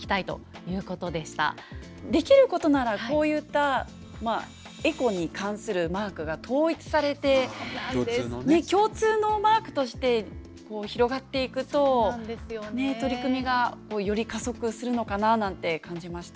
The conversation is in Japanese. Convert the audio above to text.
できることならこういったエコに関するマークが統一されて共通のマークとして広がっていくと取り組みがより加速するのかななんて感じました。